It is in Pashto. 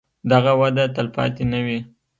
دغه وده تلپاتې نه وي.